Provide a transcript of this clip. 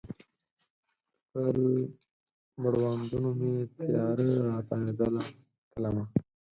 تر مړوندونو مې تیاره را تاویدله تلمه